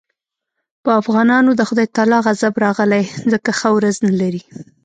په افغانانو د خدای تعالی غضب راغلی ځکه ښه ورځ نه لري.